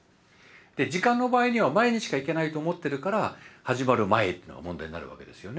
時間の場合には前にしか行けないと思ってるから始まる前っていうのが問題になるわけですよね。